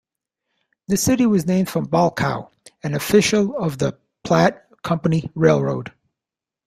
The city was named for Bolckow, an official of the Platte Company Railroad.